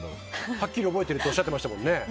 はっきり覚えてるっておっしゃってましたもんね。